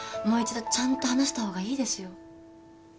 もう一度ちゃんと話した方がいいですよ。